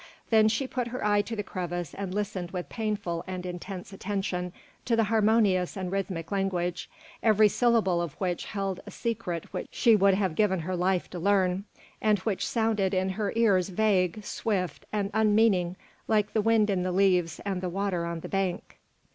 Then she put her eye to the crevice and listened with painful and intense attention to the harmonious and rhythmic language, every syllable of which held a secret which she would have given her life to learn, and which sounded in her ears vague, swift, and unmeaning like the wind in the leaves and the water on the bank.